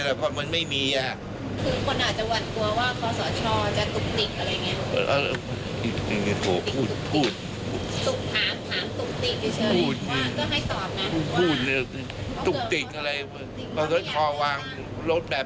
พูดอย่างนี้พูดอย่างเอน